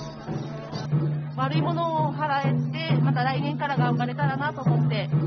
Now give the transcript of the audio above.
悪いものを払って、また来年から頑張れたらなと思って。